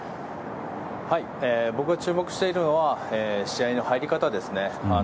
僕が注目しているのは試合の入り方ですね。